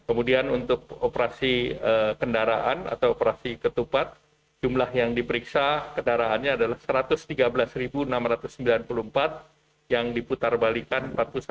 kemudian untuk operasi kendaraan atau operasi ketupat jumlah yang diperiksa kendaraannya adalah satu ratus tiga belas enam ratus sembilan puluh empat yang diputar balikan empat puluh sembilan